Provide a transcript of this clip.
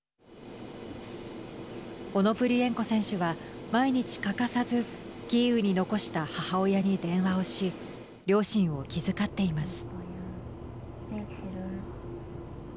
オノプリエンコ選手は毎日欠かさずキーウに残した母親に電話をし両親を気遣っています。